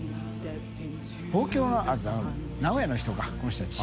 豕Ⅳ痢△名古屋の人かこの人たち。